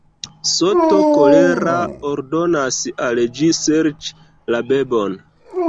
Soto, kolera, ordonas al ĝi serĉi la bebon.